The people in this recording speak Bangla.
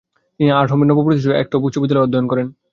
তিনি আর্নহেমের নব্য প্রতিষ্ঠিত একটপ উচ্চ বিদ্যালয়ে অধ্যয়ন করেন।